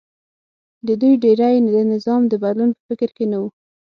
د دوی ډېری د نظام د بدلون په فکر کې نه و